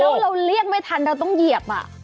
แล้วเราเรียกไม่ทันเราต้องเหยียบ